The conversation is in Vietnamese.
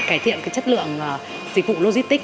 cải thiện cái chất lượng dịch vụ logistic